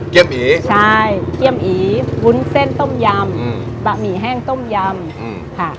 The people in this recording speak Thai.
อีใช่เกี้ยมอีวุ้นเส้นต้มยำบะหมี่แห้งต้มยำค่ะ